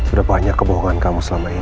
berapa banyak kebohongan kamu selama ini